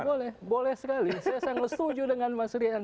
boleh boleh sekali saya sangat setuju dengan mas rian